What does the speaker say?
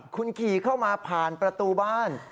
คุณขี่เข้ามาผ่านประตูบ้าน